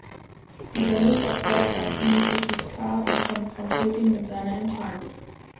Dieser Mister Pratt reist nun zu Guiscard und konfrontiert ihn mit seiner Enttarnung.